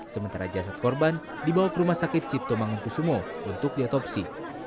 sementara jasad korban dibawa ke rumah sakit cipto mangunkusumo untuk diotopsi